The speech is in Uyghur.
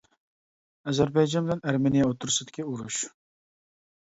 ئەزەربەيجان بىلەن ئەرمېنىيە ئوتتۇرىسىدىكى ئۇرۇش.